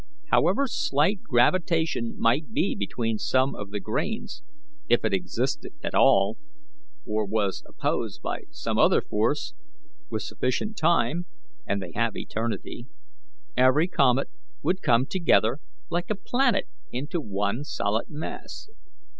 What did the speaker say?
However slight gravitation might be between some of the grains, if it existed at all, or was unopposed by some other force, with sufficient time and they have eternity every comet would come together like a planet into one solid mass.